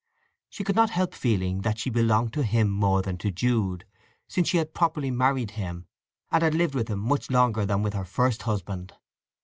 She could not help feeling that she belonged to him more than to Jude, since she had properly married him, and had lived with him much longer than with her first husband.